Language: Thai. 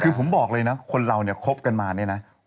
คือผมบอกเลยนะคนเราเนี่ยคบกันมาเนี่ยนะ